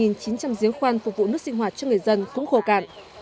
hơn ba giếng khoan phục vụ nước sinh hoạt cho người dân cũng khổ cạn